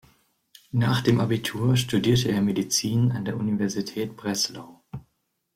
Nach dem Abitur studierte er Medizin an der Universität Breslau.